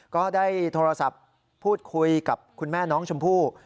ก็ได้โทรศัพท์พูดคุยกับคุณแม่น้องชมพู่